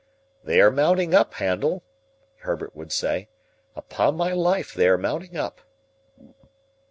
"They are mounting up, Handel," Herbert would say; "upon my life, they are mounting up."